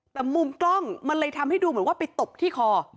แต่มุมกล้องมันเลยทำให้ดูเหมือนว่าไปตบที่คอ